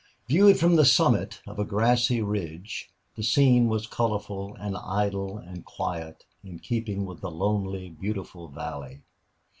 Viewed from the summit of a grassy ridge, the scene was colorful and idle and quiet, in keeping with the lonely, beautiful valley.